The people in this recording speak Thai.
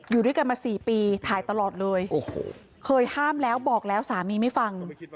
อยู่ด้วยกันมาสี่ปีถ่ายตลอดเลยโอ้โหเคยห้ามแล้วบอกแล้วสามีไม่ฟัง